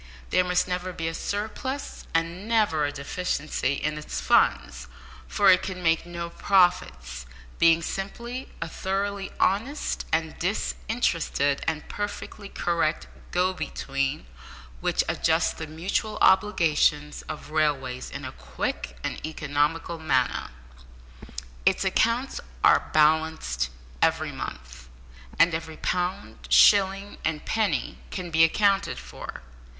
There must never be a surplus, and never a deficiency, in its funds, for it can make no profits, being simply a thoroughly honest and disinterested and perfectly correct go between, which adjusts the mutual obligations of railways in a quick and economical manner. Its accounts are balanced every month, and every pound, shilling, and penny can be accounted for.